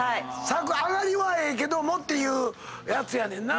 上がりはええけどもっていうやつやねんな。